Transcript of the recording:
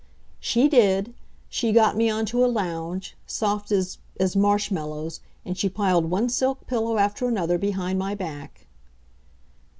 She did. She got me on to a lounge, soft as as marshmallows, and she piled one silk pillow after another behind my back.